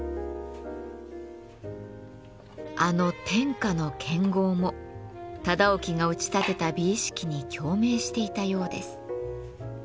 あの天下の剣豪も忠興が打ち立てた美意識に共鳴していたようです。